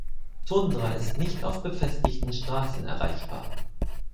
Tundra ist nicht auf befestigten Straßen erreichbar.